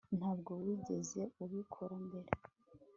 ntabwo wigeze ubikora mbere